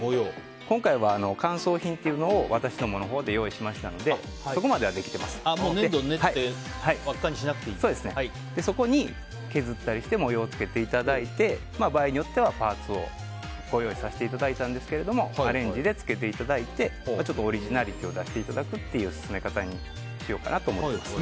今回は乾燥品というのを私のほうでご用意しましたので粘土を練ってそこに削ったりして模様をつけていただいて場合によっては、パーツをご用意させていただいたんですがアレンジでつけていただいてオリジナリティーを出してもらうという進め方にしようと思っています。